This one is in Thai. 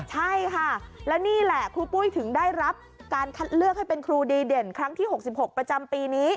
ใช่ค่ะแล้วนี่แหละครูปุ้ยถึงได้รับการคัดเลือกให้เป็นครูดีเด่นครั้งที่๖๖ประจำปีนี้